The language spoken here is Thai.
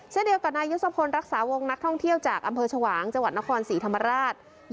เช่นเดียวกับนายศพลรักษาวงนักท่องเที่ยวจากอำเภอชวางจังหวัดนครศรีธรรมราช